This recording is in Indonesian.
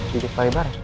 jejak pak aldebaran